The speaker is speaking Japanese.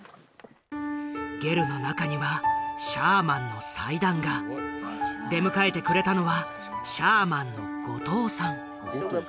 ゲルの中にはシャーマンの祭壇が出迎えてくれたのはシャーマンのゴトウさん